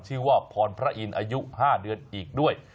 ชื่อว่าพรพระอินทร์อายุ๕เดือนอีกด้วย